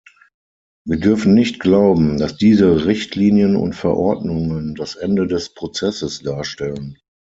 Wir dürfen nicht glauben, dass diese Richtlinien und Verordnungen das Ende des Prozesses darstellen.